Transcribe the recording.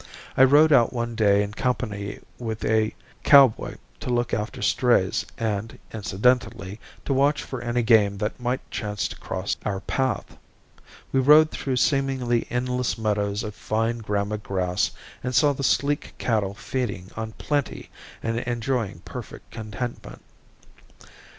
I rode out one day in company with a cowboy to look after strays and, incidentally, to watch for any game that might chance to cross our path. We rode through seemingly endless meadows of fine gramma grass and saw the sleek cattle feeding on plenty and enjoying perfect contentment.